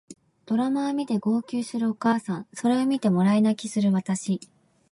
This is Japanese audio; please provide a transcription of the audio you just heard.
ドラマを見て号泣するお母さんそれを見てもらい泣きする私